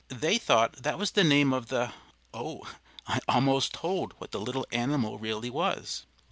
They thought that was the name of the oh! I almost told what the little animal really was.